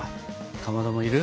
かまどもいる？